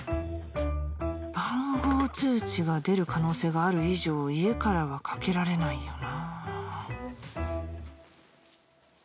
番号通知が出る可能性がある以上家からはかけられないよなぁ